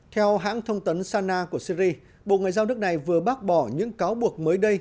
theo hãng thông tấn sana của syri bộ ngoại giao nước này vừa bác bỏ những cáo buộc mới đây